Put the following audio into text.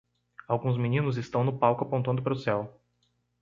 Alguns meninos estão no palco apontando para o céu.